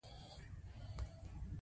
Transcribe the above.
دغو اطلاعاتو اندېښنه پیدا کړه.